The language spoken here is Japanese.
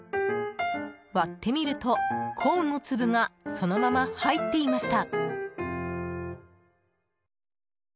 割ってみると、コーンの粒がそのまま入っていました。